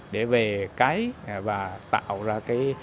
để về tổ chức lấy cái vi sinh từ nhà máy xử lý nước thải của quảng thanh